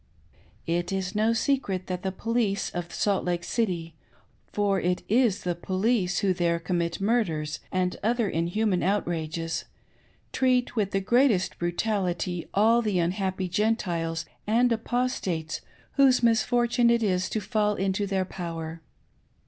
It is no secret that the police of Salt Lake City — for it is the police who there com mit murders and other inhuman outrages — treat with the greate'st brutality all the unhappy Gentiles and Apostates Whose misfortune it is to fall into their power.